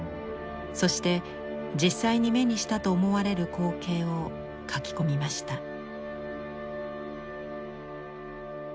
そして実際に目にしたと思われる光景を描き込みました。